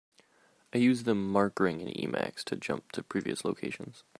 I use the mark ring in Emacs to jump to previous locations.